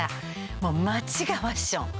街がファッション。